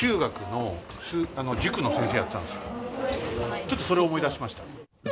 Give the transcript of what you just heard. ちょっとそれを思い出しました。